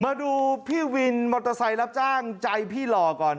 มาดูพี่วินมอเตอร์ไซค์รับจ้างใจพี่หล่อก่อน